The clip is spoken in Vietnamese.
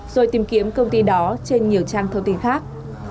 rồi tìm kiếm công ty đó trên nhiều trang thông tin khác